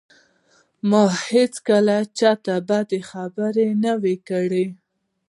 ما هېڅکله چاته بده خبره نه وه کړې